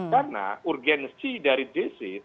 karena urgensi dari jc